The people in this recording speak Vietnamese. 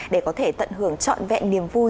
để có thể tận hưởng trọn vẹn niềm vui